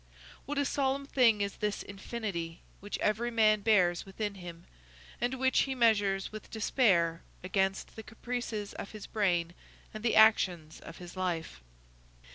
What a solemn thing is this infinity which every man bears within him, and which he measures with despair against the caprices of his brain and the actions of his life!